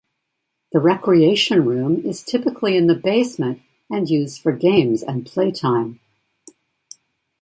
The recreation room is typically in the basement and used for games and playtime.